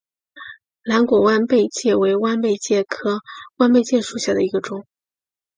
蓝果弯贝介为弯贝介科弯贝介属下的一个种。